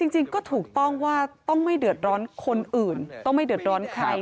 จริงก็ถูกต้องว่าต้องไม่เดือดร้อนคนอื่นต้องไม่เดือดร้อนใคร